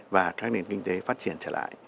và các nền kinh tế phát triển trở lại